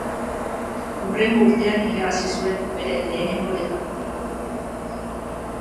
Hurrengo urtean irabazi zuen bere lehenengo liga.